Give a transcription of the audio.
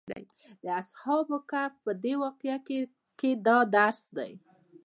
د اصحاب کهف په دې واقعه کې دا درس دی.